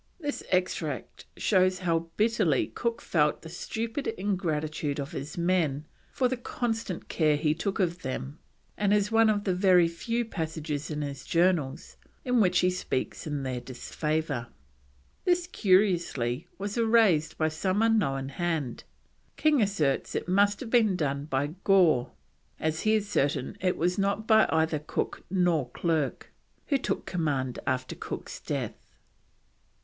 This extract shows how bitterly Cook felt the stupid ingratitude of his men for the constant care he took of them, and is one of the very few passages in his Journals in which he speaks in their disfavour. This, curiously, was erased by some unknown hand; King asserts it must have been done by Gore, as he is certain it was not by either Cook or Clerke, who took command after Cook's death.